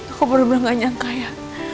aku bener bener gak nyangka ya